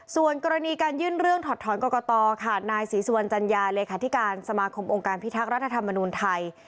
ส่วนกรณีการยื่นเรื่องถอดถอนกรกตค่ะนายศรีสุวรรณจัญญาเลขาธิการสมาคมองค์การพิทักษ์รัฐธรรมนุนไทย